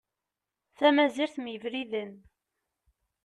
Tamazirt mm yebriden.